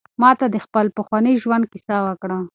ما ته د خپل پخواني ژوند کیسه وکړه.